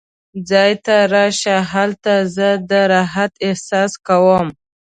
ځای ته راشه، هلته زه د راحت احساس کوم.